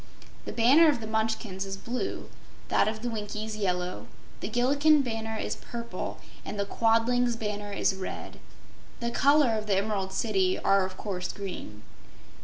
The banner of the Munchkins is blue, that of the Winkies yellow; the Gillikin banner is purple, and the Quadling's banner is red. The colors of the Emerald City are of course green.